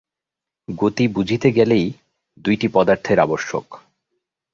গতি বুঝিতে গেলেই দুইটি পদার্থের আবশ্যক।